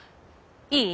いい！？